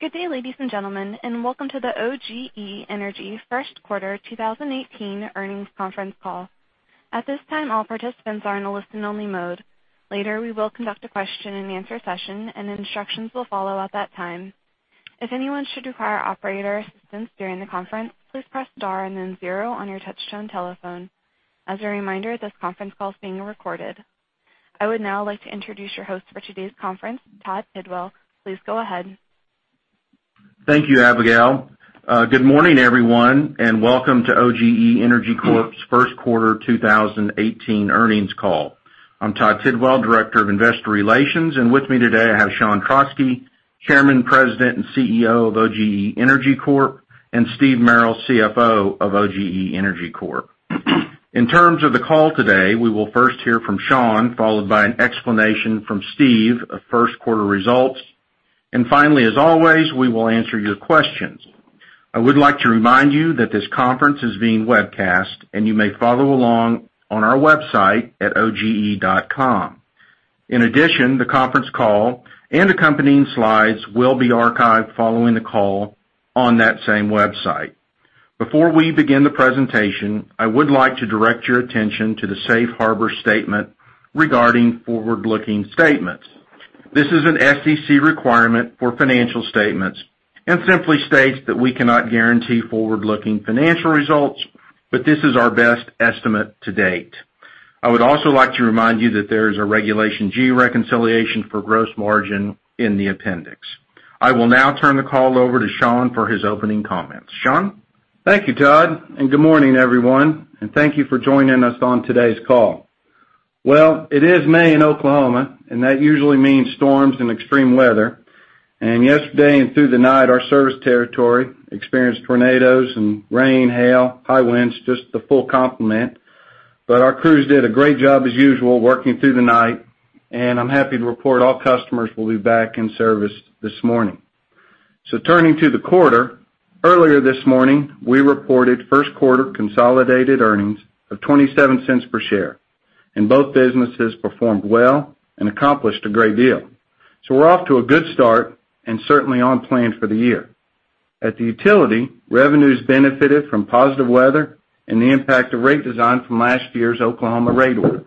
Good day, ladies and gentlemen, and welcome to the OGE Energy first quarter 2018 earnings conference call. At this time, all participants are in a listen-only mode. Later, we will conduct a question and answer session, and instructions will follow at that time. If anyone should require operator assistance during the conference, please press star and then zero on your touchtone telephone. As a reminder, this conference call is being recorded. I would now like to introduce your host for today's conference, Todd Tidwell. Please go ahead. Thank you, Abigail. Good morning, everyone, and welcome to OGE Energy Corp's first quarter 2018 earnings call. I'm Todd Tidwell, Director of Investor Relations, and with me today I have Sean Trauschke, Chairman, President, and CEO of OGE Energy Corp, and Steve Merrill, CFO of OGE Energy Corp. In terms of the call today, we will first hear from Sean, followed by an explanation from Steve of first quarter results. Finally, as always, we will answer your questions. I would like to remind you that this conference is being webcast, and you may follow along on our website at oge.com. In addition, the conference call and accompanying slides will be archived following the call on that same website. Before we begin the presentation, I would like to direct your attention to the safe harbor statement regarding forward-looking statements. This is an SEC requirement for financial statements and simply states that we cannot guarantee forward-looking financial results, but this is our best estimate to date. I would also like to remind you that there is a Regulation G reconciliation for gross margin in the appendix. I will now turn the call over to Sean for his opening comments. Sean? Thank you, Todd, and good morning, everyone, and thank you for joining us on today's call. It is May in Oklahoma, and that usually means storms and extreme weather. Yesterday and through the night, our service territory experienced tornadoes and rain, hail, high winds, just the full complement. Our crews did a great job as usual working through the night, and I'm happy to report all customers will be back in service this morning. Turning to the quarter, earlier this morning, we reported first quarter consolidated earnings of $0.27 per share and both businesses performed well and accomplished a great deal. We're off to a good start and certainly on plan for the year. At the utility, revenues benefited from positive weather and the impact of rate design from last year's Oklahoma rate order.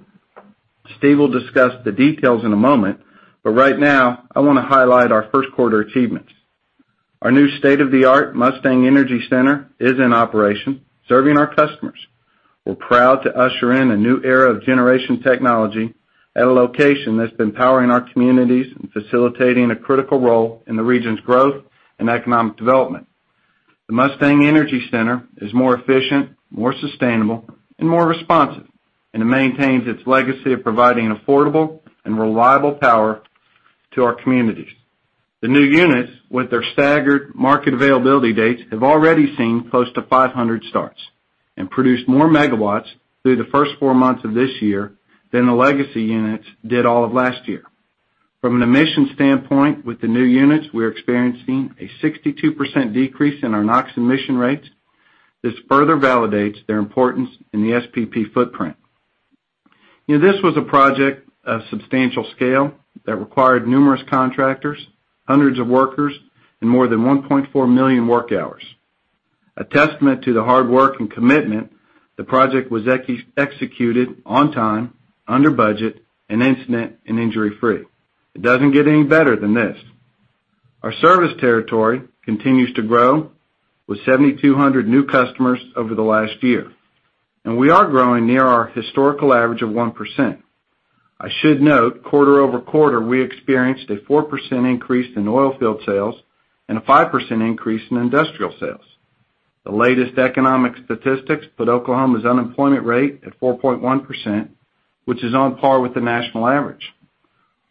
Steve will discuss the details in a moment. Right now, I want to highlight our first quarter achievements. Our new state-of-the-art Mustang Energy Center is in operation, serving our customers. We are proud to usher in a new era of generation technology at a location that has been powering our communities and facilitating a critical role in the region's growth and economic development. The Mustang Energy Center is more efficient, more sustainable, and more responsive, and it maintains its legacy of providing affordable and reliable power to our communities. The new units, with their staggered market availability dates, have already seen close to 500 starts and produced more megawatts through the first four months of this year than the legacy units did all of last year. From an emission standpoint, with the new units, we are experiencing a 62% decrease in our NOx emission rates. This further validates their importance in the SPP footprint. This was a project of substantial scale that required numerous contractors, hundreds of workers, and more than 1.4 million work hours. A testament to the hard work and commitment, the project was executed on time, under budget, and incident and injury-free. It does not get any better than this. Our service territory continues to grow with 7,200 new customers over the last year. We are growing near our historical average of 1%. I should note, quarter-over-quarter, we experienced a 4% increase in oil field sales and a 5% increase in industrial sales. The latest economic statistics put Oklahoma's unemployment rate at 4.1%, which is on par with the national average.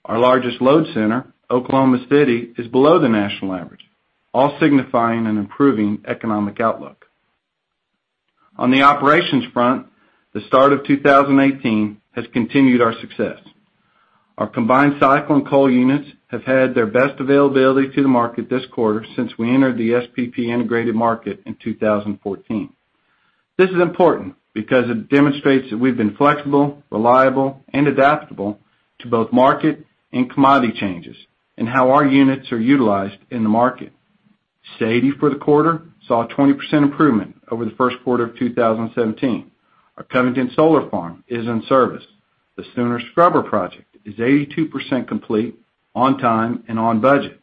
Our largest load center, Oklahoma City, is below the national average, all signifying an improving economic outlook. On the operations front, the start of 2018 has continued our success. Our combined cycle and coal units have had their best availability to the market this quarter since we entered the SPP Integrated Marketplace in 2014. This is important because it demonstrates that we have been flexible, reliable, and adaptable to both market and commodity changes and how our units are utilized in the market. Safety for the quarter saw a 20% improvement over the first quarter of 2017. Our Covington Solar Farm is in service. The Sooner Scrubber project is 82% complete on time and on budget.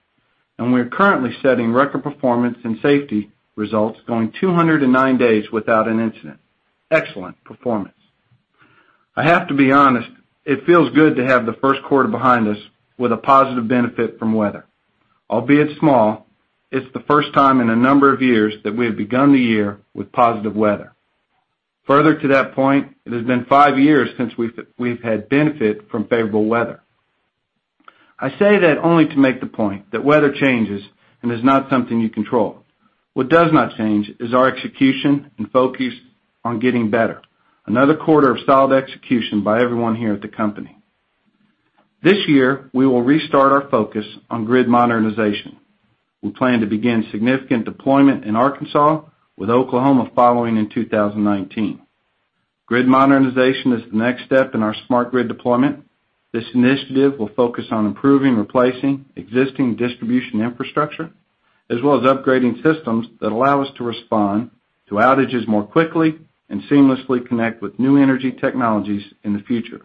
We are currently setting record performance and safety results, going 209 days without an incident. Excellent performance. I have to be honest, it feels good to have the first quarter behind us with a positive benefit from weather. Albeit small, it is the first time in a number of years that we have begun the year with positive weather. Further to that point, it has been five years since we have had benefit from favorable weather. I say that only to make the point that weather changes and is not something you control. What does not change is our execution and focus on getting better. Another quarter of solid execution by everyone here at the company. This year, we will restart our focus on grid modernization. We plan to begin significant deployment in Arkansas, with Oklahoma following in 2019. Grid modernization is the next step in our smart grid deployment. This initiative will focus on improving, replacing existing distribution infrastructure, as well as upgrading systems that allow us to respond to outages more quickly and seamlessly connect with new energy technologies in the future.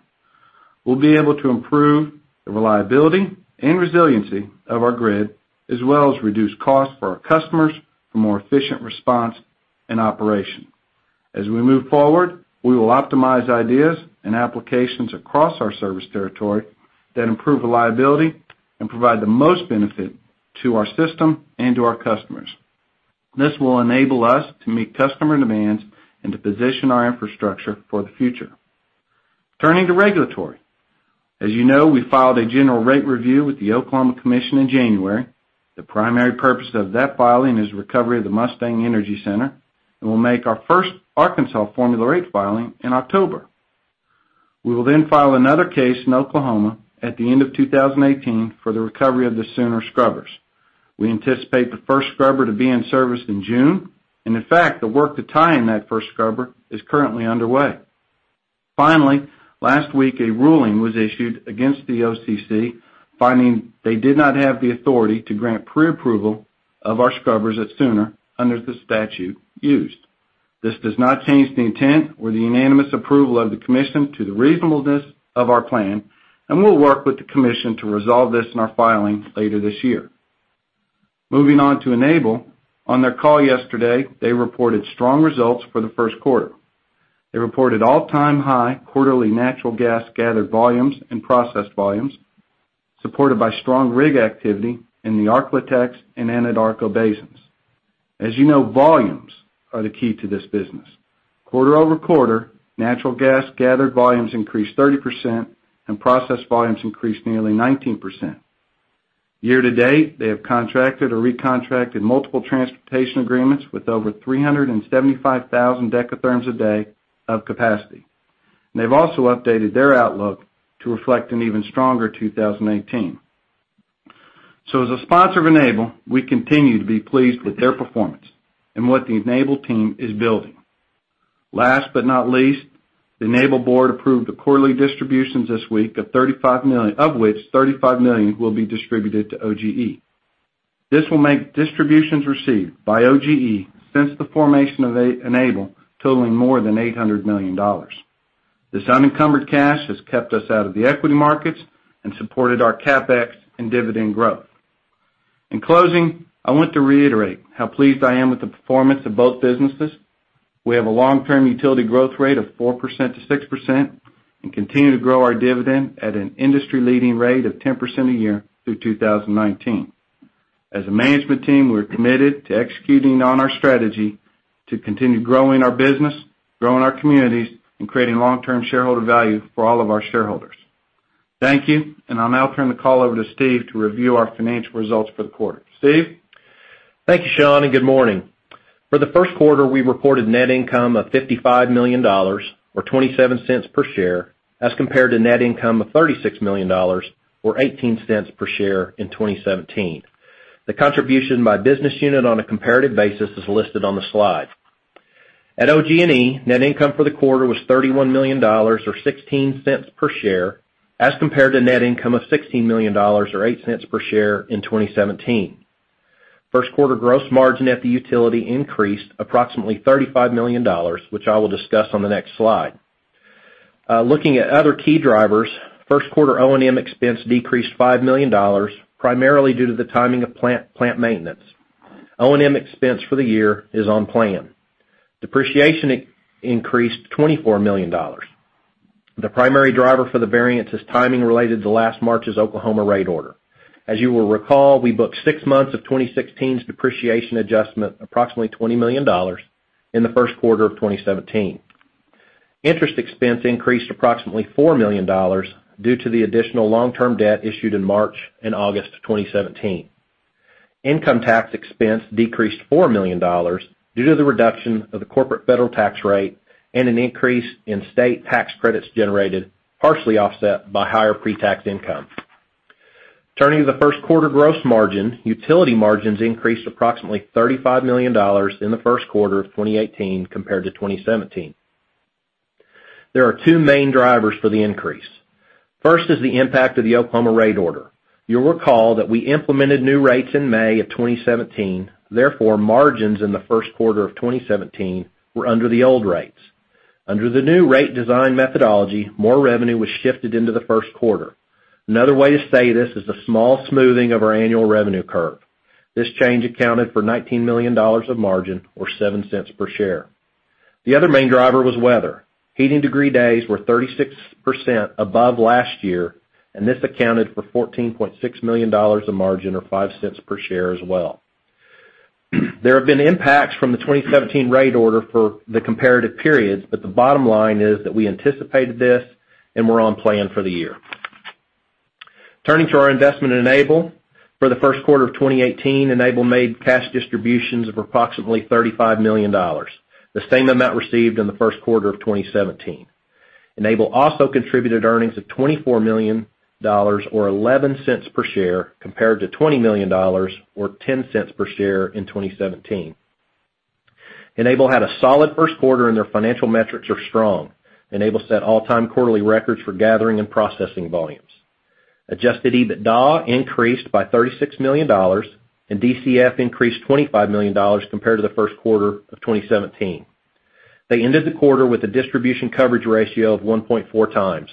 We'll be able to improve the reliability and resiliency of our grid, as well as reduce costs for our customers for more efficient response and operation. As we move forward, we will optimize ideas and applications across our service territory that improve reliability and provide the most benefit to our system and to our customers. This will enable us to meet customer demands and to position our infrastructure for the future. Turning to regulatory. As you know, we filed a general rate review with the Oklahoma Corporation Commission in January. The primary purpose of that filing is recovery of the Mustang Energy Center, and we'll make our first Arkansas formula rate filing in October. We will then file another case in Oklahoma at the end of 2018 for the recovery of the Sooner Scrubbers. We anticipate the first scrubber to be in service in June, and in fact, the work to tie in that first scrubber is currently underway. Finally, last week, a ruling was issued against the OCC, finding they did not have the authority to grant pre-approval of our scrubbers at Sooner under the statute used. This does not change the intent or the unanimous approval of the commission to the reasonableness of our plan, and we'll work with the commission to resolve this in our filing later this year. Moving on to Enable. On their call yesterday, they reported strong results for the first quarter. They reported all-time high quarterly natural gas gathered volumes and processed volumes, supported by strong rig activity in the Ark-La-Tex and Anadarko basins. As you know, volumes are the key to this business. Quarter-over-quarter, natural gas gathered volumes increased 30%, and processed volumes increased nearly 19%. Year to date, they have contracted or recontracted multiple transportation agreements with over 375,000 decatherms a day of capacity. They've also updated their outlook to reflect an even stronger 2018. As a sponsor of Enable, we continue to be pleased with their performance and what the Enable team is building. Last but not least, the Enable board approved the quarterly distributions this week of which $35 million will be distributed to OGE. This will make distributions received by OGE since the formation of Enable totaling more than $800 million. This unencumbered cash has kept us out of the equity markets and supported our CapEx and dividend growth. In closing, I want to reiterate how pleased I am with the performance of both businesses. We have a long-term utility growth rate of 4%-6% and continue to grow our dividend at an industry-leading rate of 10% a year through 2019. As a management team, we're committed to executing on our strategy to continue growing our business, growing our communities, and creating long-term shareholder value for all of our shareholders. Thank you, and I'll now turn the call over to Steve to review our financial results for the quarter. Steve? Thank you, Sean, and good morning. For the first quarter, we reported net income of $55 million or $0.27 per share as compared to net income of $36 million or $0.18 per share in 2017. The contribution by business unit on a comparative basis is listed on the slide. At OG&E, net income for the quarter was $31 million or $0.16 per share as compared to net income of $16 million or $0.08 per share in 2017. First quarter gross margin at the utility increased approximately $35 million, which I will discuss on the next slide. Looking at other key drivers, first quarter O&M expense decreased $5 million, primarily due to the timing of plant maintenance. O&M expense for the year is on plan. Depreciation increased $24 million. The primary driver for the variance is timing related to last March's Oklahoma rate order. As you will recall, we booked six months of 2016's depreciation adjustment, approximately $20 million in the first quarter of 2017. Interest expense increased approximately $4 million due to the additional long-term debt issued in March and August of 2017. Income tax expense decreased $4 million due to the reduction of the corporate federal tax rate and an increase in state tax credits generated, partially offset by higher pre-tax income. Turning to the first quarter gross margin, utility margins increased approximately $35 million in the first quarter of 2018 compared to 2017. There are two main drivers for the increase. First is the impact of the Oklahoma rate order. You'll recall that we implemented new rates in May of 2017. Margins in the first quarter of 2017 were under the old rates. Under the new rate design methodology, more revenue was shifted into the first quarter. Another way to say this is the small smoothing of our annual revenue curve. This change accounted for $19 million of margin or $0.07 per share. The other main driver was weather. Heating degree days were 36% above last year, and this accounted for $14.6 million of margin or $0.05 per share as well. There have been impacts from the 2017 rate order for the comparative periods, but the bottom line is that we anticipated this, and we're on plan for the year. Turning to our investment in Enable. For the first quarter of 2018, Enable made cash distributions of approximately $35 million, the same amount received in the first quarter of 2017. Enable also contributed earnings of $24 million, or $0.11 per share, compared to $20 million, or $0.10 per share in 2017. Enable had a solid first quarter, and their financial metrics are strong. Enable set all-time quarterly records for gathering and processing volumes. Adjusted EBITDA increased by $36 million, and DCF increased $25 million compared to the first quarter of 2017. They ended the quarter with a distribution coverage ratio of 1.4 times.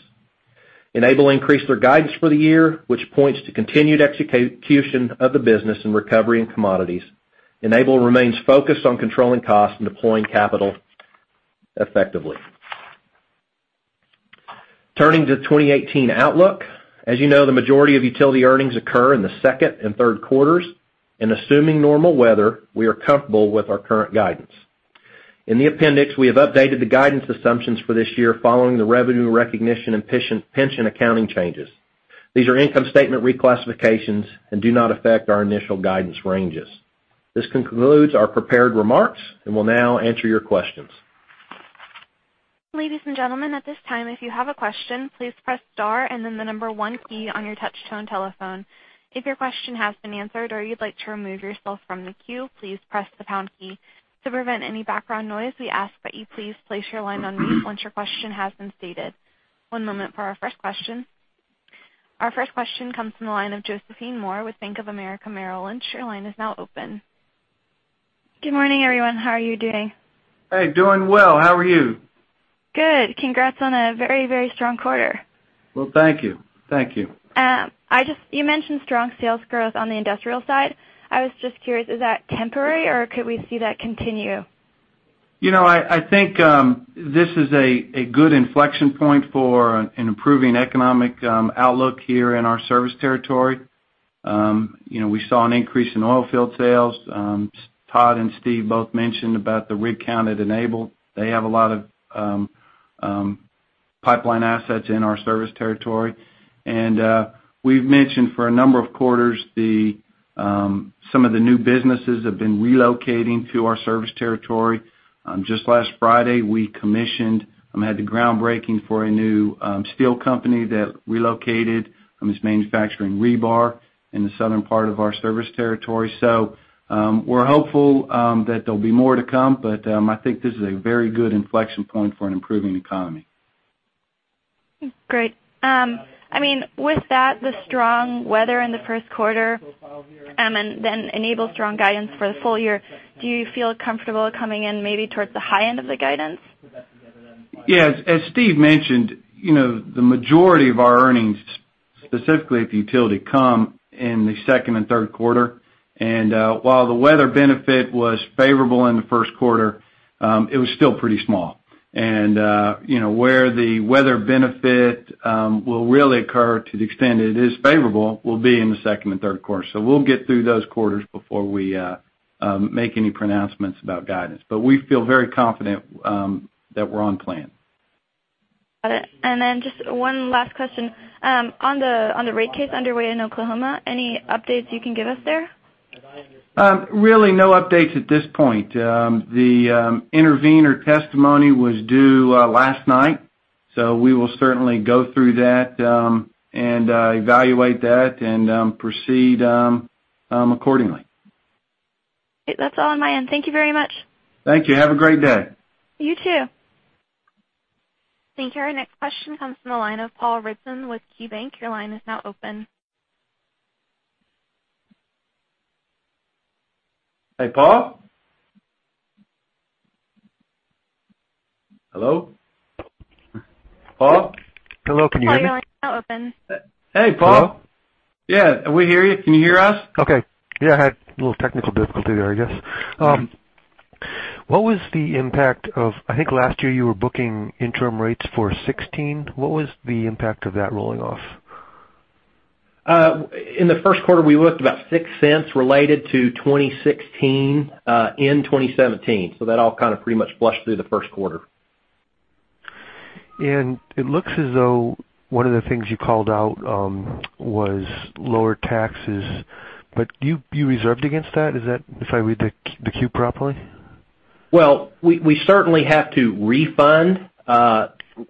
Enable increased their guidance for the year, which points to continued execution of the business and recovery in commodities. Enable remains focused on controlling costs and deploying capital effectively. Turning to 2018 outlook. As you know, the majority of utility earnings occur in the second and third quarters. Assuming normal weather, we are comfortable with our current guidance. In the appendix, we have updated the guidance assumptions for this year following the revenue recognition and pension accounting changes. These are income statement reclassifications and do not affect our initial guidance ranges. This concludes our prepared remarks, and we'll now answer your questions. Ladies and gentlemen, at this time, if you have a question, please press star and then the number 1 key on your touch-tone telephone. If your question has been answered or you'd like to remove yourself from the queue, please press the pound key. To prevent any background noise, we ask that you please place your line on mute once your question has been stated. One moment for our first question. Our first question comes from the line of Julien Dumoulin-Smith with Bank of America Merrill Lynch. Your line is now open. Good morning, everyone. How are you doing? Hey. Doing well. How are you? Good. Congrats on a very strong quarter. Well, thank you. You mentioned strong sales growth on the industrial side. I was just curious, is that temporary, or could we see that continue? I think this is a good inflection point for an improving economic outlook here in our service territory. We saw an increase in oil field sales. Todd and Steve both mentioned about the rig count at Enable. They have a lot of pipeline assets in our service territory. We've mentioned for a number of quarters, some of the new businesses have been relocating to our service territory. Just last Friday, we commissioned and had the groundbreaking for a new steel company that relocated and is manufacturing rebar in the southern part of our service territory. We're hopeful that there'll be more to come, but I think this is a very good inflection point for an improving economy. Great. With that, the strong weather in the first quarter, then Enable's strong guidance for the full year, do you feel comfortable coming in maybe towards the high end of the guidance? Yes. As Steve mentioned, the majority of our earnings, specifically at the utility, come in the second and third quarter. While the weather benefit was favorable in the first quarter, it was still pretty small. Where the weather benefit will really occur to the extent it is favorable, will be in the second and third quarter. We'll get through those quarters before we make any pronouncements about guidance. We feel very confident that we're on plan. Got it. Then just one last question. On the rate case underway in Oklahoma, any updates you can give us there? Really, no updates at this point. The intervener testimony was due last night, we will certainly go through that and evaluate that and proceed accordingly. Great. That's all on my end. Thank you very much. Thank you. Have a great day. You too. Thank you. Our next question comes from the line of Paul Ridzon with KeyBanc. Your line is now open. Hey, Paul? Hello? Paul? Hello, can you hear me? Paul, your line is now open. Hey, Paul. Hello? Yeah, we hear you. Can you hear us? Okay. Yeah, I had a little technical difficulty there, I guess. I think last year you were booking interim rates for 2016. What was the impact of that rolling off? In the first quarter, we looked about $0.06 related to 2016 in 2017. That all kind of pretty much flushed through the first quarter. It looks as though one of the things you called out was lower taxes, but do you reserved against that? If I read the Q properly? Well, we certainly have to refund.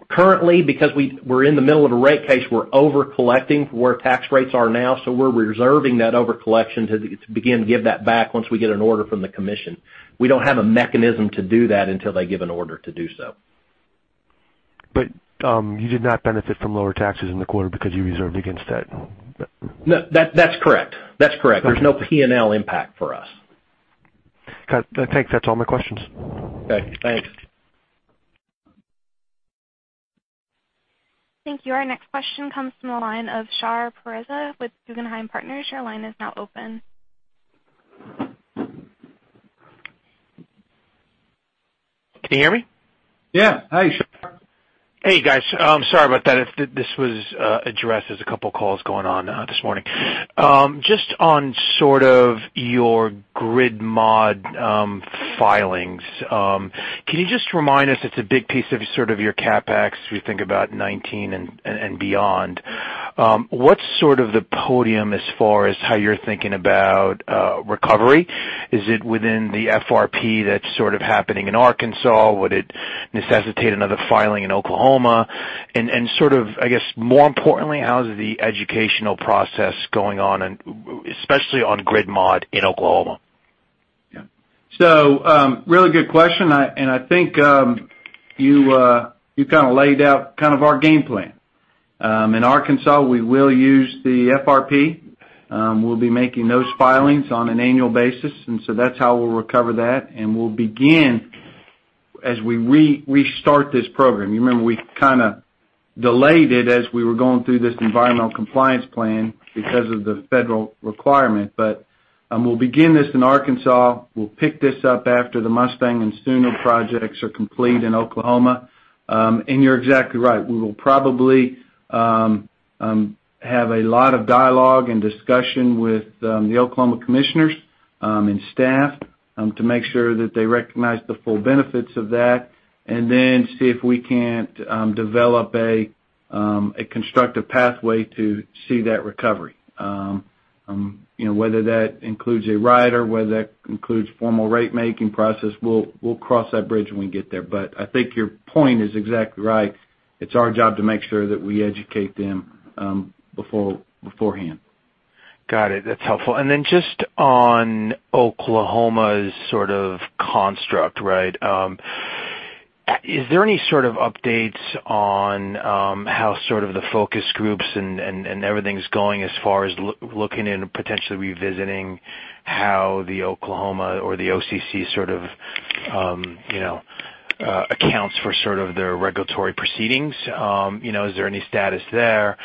Currently, because we're in the middle of a rate case, we're over-collecting for where tax rates are now. We're reserving that over-collection to begin to give that back once we get an order from the commission. We don't have a mechanism to do that until they give an order to do so. You did not benefit from lower taxes in the quarter because you reserved against that? No. That's correct. There's no P&L impact for us. Got it. Thanks. That's all my questions. Okay, thanks. Thank you. Our next question comes from the line of Shahriar Pourreza with Guggenheim Partners. Your line is now open. Can you hear me? Yeah. Hi, Shar. Hey, guys. Sorry about that. This was addressed as a couple of calls going on this morning. On your grid modernization filings. Can you remind us, it's a big piece of your CapEx, we think about 2019 and beyond. What's the paradigm as far as how you're thinking about recovery? Is it within the FRP that's happening in Arkansas? Would it necessitate another filing in Oklahoma? I guess more importantly, how is the educational process going on, especially on grid modernization in Oklahoma? Really good question, I think you kind of laid out kind of our game plan. In Arkansas, we will use the FRP. We'll be making those filings on an annual basis, that's how we'll recover that. We'll begin as we restart this program. You remember we kind of delayed it as we were going through this environmental compliance plan because of the federal requirement. We'll begin this in Arkansas. We'll pick this up after the Mustang and Sooner projects are complete in Oklahoma. You're exactly right. We will probably have a lot of dialogue and discussion with the Oklahoma commissioners and staff to make sure that they recognize the full benefits of that, see if we can't develop a constructive pathway to see that recovery. Whether that includes a rider, whether that includes formal rate-making process, we'll cross that bridge when we get there. I think your point is exactly right. It's our job to make sure that we educate them beforehand. Got it. That's helpful. On Oklahoma's construct, is there any updates on how the focus groups and everything's going as far as looking into potentially revisiting how the Oklahoma or the OCC accounts for their regulatory proceedings? Is there any status there?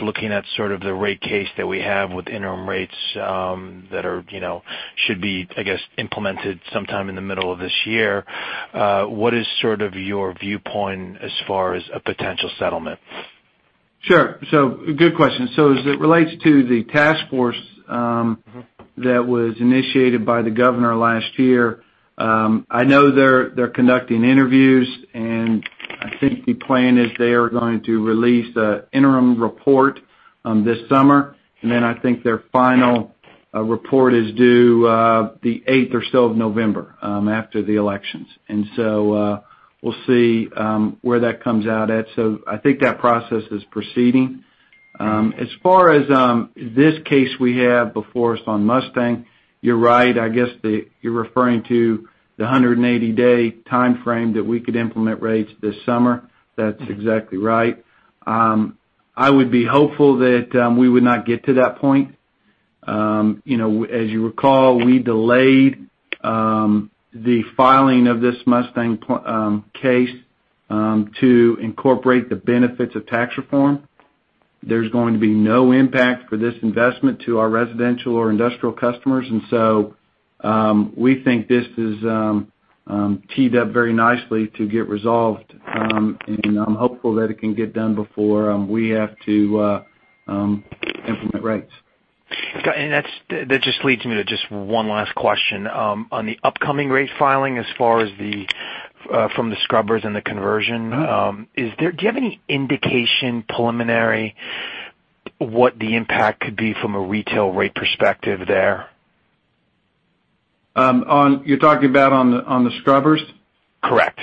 Looking at the rate case that we have with interim rates, that should be, I guess, implemented sometime in the middle of this year. What is your viewpoint as far as a potential settlement? Good question. As it relates to the task force that was initiated by the governor last year, I know they're conducting interviews, and I think the plan is they are going to release an interim report this summer. I think their final report is due the eighth or so of November, after the elections. We'll see where that comes out at. I think that process is proceeding. As far as this case we have before us on Mustang, you're right. I guess you're referring to the 180-day timeframe that we could implement rates this summer. That's exactly right. I would be hopeful that we would not get to that point. As you recall, we delayed the filing of this Mustang case to incorporate the benefits of tax reform. There's going to be no impact for this investment to our residential or industrial customers. We think this is teed up very nicely to get resolved, and I'm hopeful that it can get done before we have to implement rates. Got you. That just leads me to just one last question. On the upcoming rate filing, as far as from the scrubbers and the conversion. Do you have any indication, preliminary, what the impact could be from a retail rate perspective there? You're talking about on the scrubbers? Correct.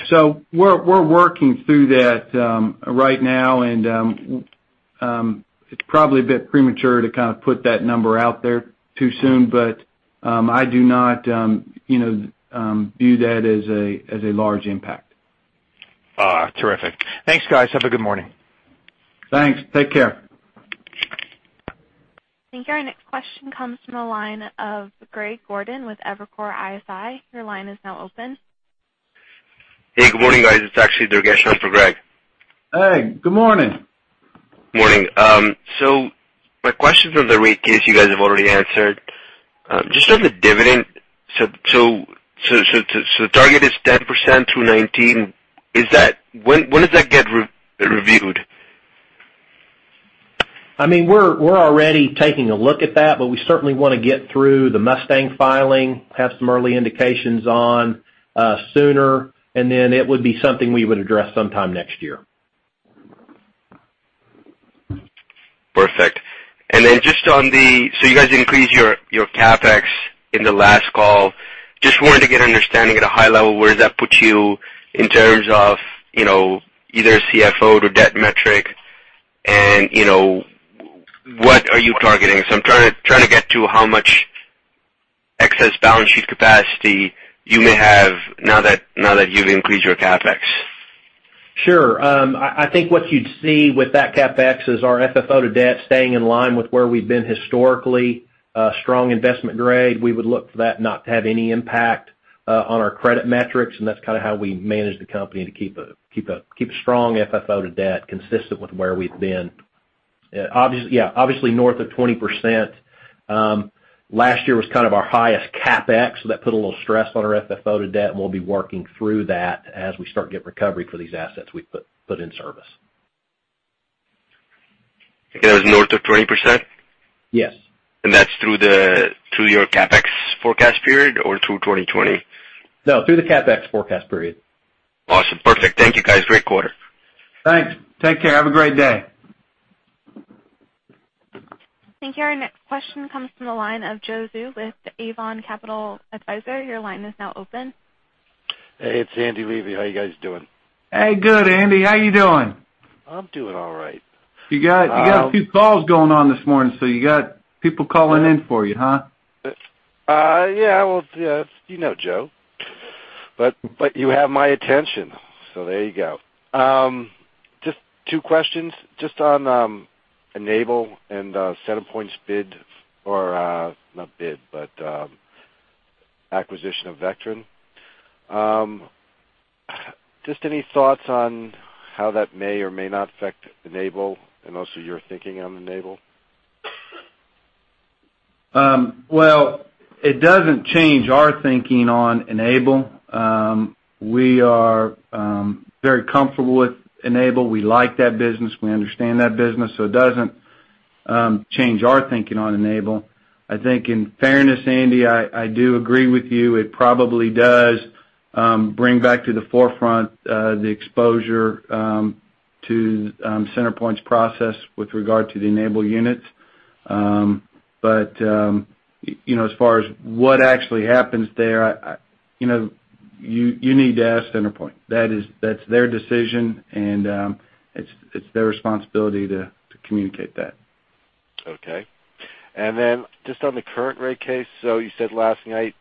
We're working through that right now. It's probably a bit premature to kind of put that number out there too soon. I do not view that as a large impact. Terrific. Thanks, guys. Have a good morning. Thanks. Take care. Thank you. Our next question comes from the line of Greg Gordon with Evercore ISI. Your line is now open. Hey, good morning, guys. It is actually [Constantine Douris] for Greg. Hey. Good morning. Morning. My question is on the rate case you guys have already answered. Just on the dividend. The target is 10% through 2019. When does that get reviewed? We're already taking a look at that, but we certainly want to get through the Mustang filing, have some early indications on Sooner, and then it would be something we would address sometime next year. Perfect. You guys increased your CapEx in the last call. Just wanted to get an understanding at a high level, where does that put you in terms of either CFO to debt metric? What are you targeting? I'm trying to get to how much excess balance sheet capacity you may have now that you've increased your CapEx. Sure. I think what you'd see with that CapEx is our FFO to debt staying in line with where we've been historically. A strong investment grade. We would look for that not to have any impact on our credit metrics, and that's kind of how we manage the company to keep a strong FFO to debt consistent with where we've been. Obviously north of 20%. Last year was kind of our highest CapEx, so that put a little stress on our FFO to debt, and we'll be working through that as we start to get recovery for these assets we put in service. You said it was north of 20%? Yes. That's through your CapEx forecast period or through 2020? No, through the CapEx forecast period. Awesome. Perfect. Thank you, guys. Great quarter. Thanks. Take care. Have a great day. Thank you. Our next question comes from the line of Joe Zou with Avon Capital Advisor. Your line is now open. Hey, it's Michael Weinstein. How you guys doing? Hey, good, Andy. How you doing? I'm doing all right. You got a few calls going on this morning, so you got people calling in for you, huh? Yeah. Well, you know Joe Zou. You have my attention. There you go. Just two questions. Just on Enable and CenterPoint's bid or, not bid, but acquisition of Vectren. Just any thoughts on how that may or may not affect Enable and also your thinking on Enable? Well, it doesn't change our thinking on Enable. We are very comfortable with Enable. We like that business. We understand that business, so it doesn't change our thinking on Enable. I think in fairness, Andy Levy, I do agree with you. It probably does bring back to the forefront the exposure to CenterPoint's process with regard to the Enable units. As far as what actually happens there, you need to ask CenterPoint. That's their decision, and it's their responsibility to communicate that. Okay. Just on the current rate case, so you said last night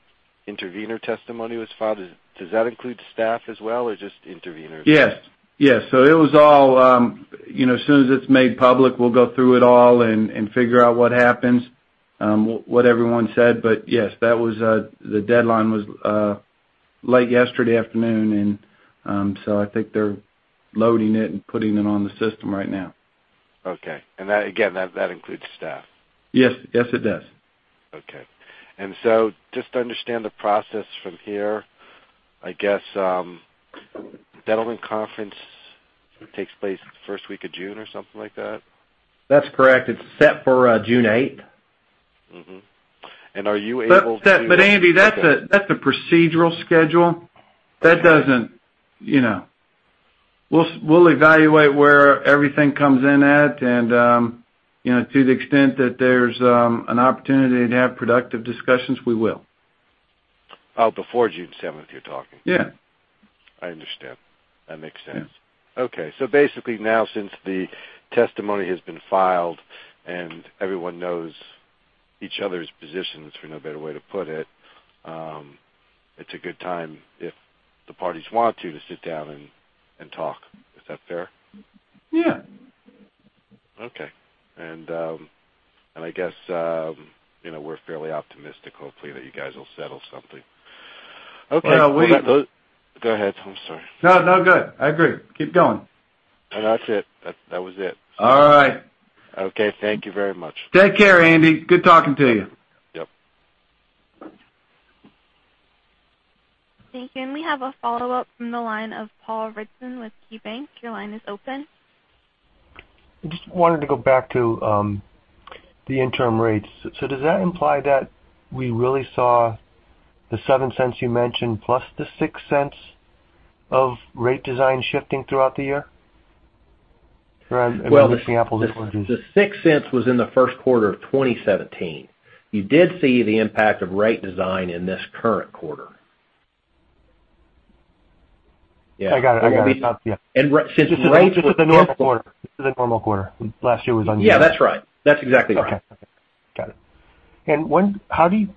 intervener testimony was filed. Does that include staff as well or just interveners? Yes. It was all, as soon as it's made public, we'll go through it all and figure out what happens, what everyone said. Yes, the deadline was late yesterday afternoon, I think they're loading it and putting it on the system right now. Okay. Again, that includes staff? Yes, it does. Okay. Just to understand the process from here, I guess settlement conference takes place the first week of June or something like that? That's correct. It's set for June 8th. Mm-hmm. Are you able Andy, that's a procedural schedule. We'll evaluate where everything comes in at, and to the extent that there's an opportunity to have productive discussions, we will. Oh, before June 7th, you're talking. Yeah. I understand. That makes sense. Yeah. Okay. Basically now, since the testimony has been filed and everyone knows each other's positions, for no better way to put it's a good time if the parties want to sit down and talk. Is that fair? Yeah. Okay. I guess, we're fairly optimistic, hopefully, that you guys will settle something. Okay. Go ahead. I'm sorry. No, good. I agree. Keep going. No, that's it. That was it. All right. Okay. Thank you very much. Take care, Andy. Good talking to you. Yep. Thank you. We have a follow-up from the line of Paul Patterson with KeyBanc. Your line is open. I just wanted to go back to the interim rates. Does that imply that we really saw the $0.07 you mentioned plus the $0.06 of rate design shifting throughout the year? I'm mixing apples and oranges. Well, the $0.06 was in the first quarter of 2017. You did see the impact of rate design in this current quarter. I got it. Since rates were- Just as a normal quarter. Last year was unusual. Yeah, that's right. That's exactly right. Okay. Got it. How do you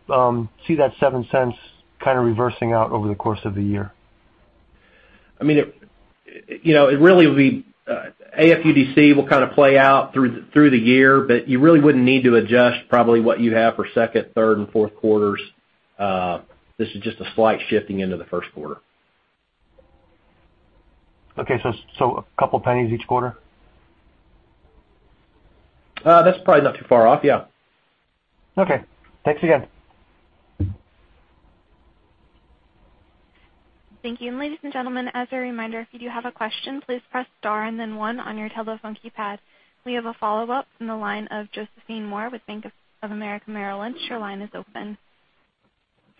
see that $0.07 kind of reversing out over the course of the year? It really will be, AFUDC will kind of play out through the year, but you really wouldn't need to adjust probably what you have for second, third, and fourth quarters. This is just a slight shifting into the first quarter. Okay. A couple pennies each quarter? That's probably not too far off, yeah. Okay. Thanks again. Thank you. Ladies and gentlemen, as a reminder, if you do have a question, please press star and then one on your telephonic keypad. We have a follow-up from the line of Julien Dumoulin-Smith with Bank of America Merrill Lynch. Your line is open.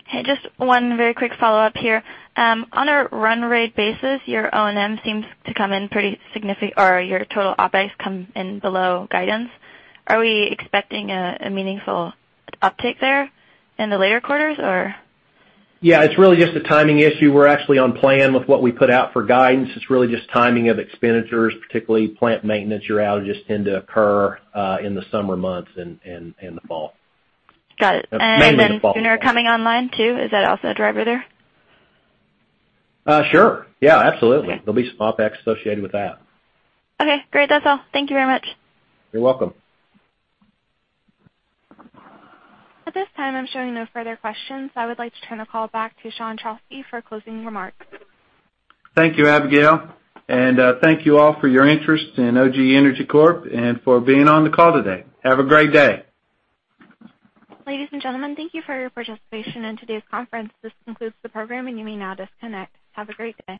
Hey, just one very quick follow-up here. On a run rate basis, your O&M seems to come in pretty significant, or your total OpEx come in below guidance. Are we expecting a meaningful uptick there in the later quarters or? Yeah, it's really just a timing issue. We're actually on plan with what we put out for guidance. It's really just timing of expenditures, particularly plant maintenance outages tend to occur in the summer months and the fall. Got it. Mainly the fall. Sooner coming online too, is that also a driver there? Sure. Yeah, absolutely. Okay. There'll be some OpEx associated with that. Okay, great. That's all. Thank you very much. You're welcome. At this time, I'm showing no further questions. I would like to turn the call back to Sean Trauschke for closing remarks. Thank you, Abigail. Thank you all for your interest in OGE Energy Corp. and for being on the call today. Have a great day. Ladies and gentlemen, thank you for your participation in today's conference. This concludes the program, and you may now disconnect. Have a great day.